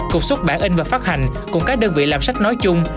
cục xuất bản in và phát hành cùng các đơn vị làm sách nói chung